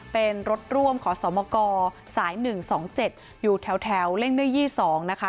เป็นรถร่วมขอสมกสาย๑๒๗อยู่แถวเล่งด้วย๒๒นะคะ